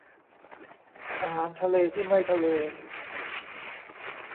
อาหารทะเลที่ไม่ทะเล